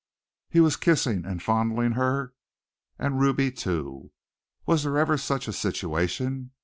He was kissing and fondling her and Ruby too!! Was there ever such a situation?